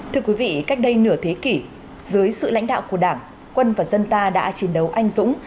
thưa quý vị cách đây nửa thế kỷ dưới sự lãnh đạo của đảng quân và dân ta đã chiến đấu anh dũng